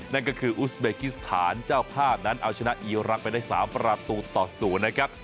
นั่นก็คืออุสเบกิสถานเจ้าภาพนั้นเอาชนะอีรักษ์ไปได้๓ประตูต่อ๐นะครับ